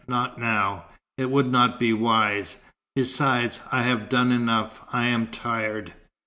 Not now. It would not be wise. Besides, I have done enough. I am tired."